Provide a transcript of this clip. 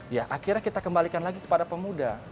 ya akhirnya kita kembalikan lagi kepada pemuda